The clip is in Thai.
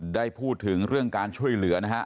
ได้พูดถึงเรื่องการช่วยเหลือนะฮะ